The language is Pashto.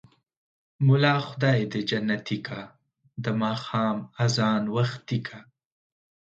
ملا خداى دى جنتې که ـ د ماښام ازان وختې که.